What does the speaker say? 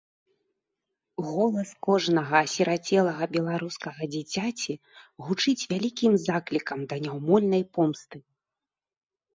Голас кожнага асірацелага беларускага дзіцяці гучыць вялікім заклікам да няўмольнай помсты.